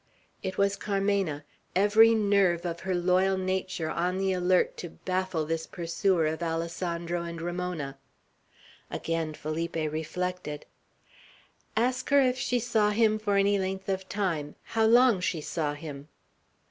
It was Carmena, every nerve of her loyal nature on the alert to baffle this pursuer of Alessandro and Ramona. Again Felipe reflected. "Ask her if she saw him for any length of time; how long she saw him."